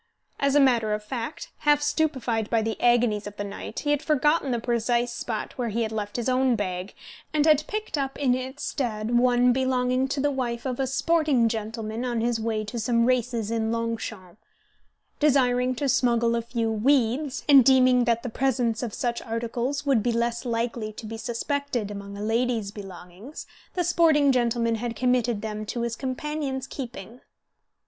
As a matter of fact, half stupefied by the agonies of the night, he had forgotten the precise spot where he had left his own bag, and had picked up in its stead one belonging to the wife of a sporting gentleman on his way to some races at Longchamps. Desiring to smuggle a few "weeds," and deeming that the presence of such articles would be less likely to be suspected among a lady's belongings, the sporting gentleman had committed them to his companion's keeping.